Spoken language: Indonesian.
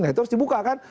nah itu harus dibuka kan